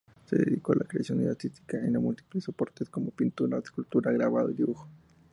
Se dedicó a la creación artística en múltiples soportes, como pintura, escultura, grabado, dibujo.